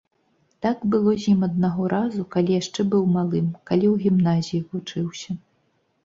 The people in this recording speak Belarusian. Так было з ім аднаго разу, калі яшчэ быў малым, каліў гімназіі вучыўся.